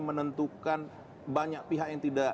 menentukan banyak pihak yang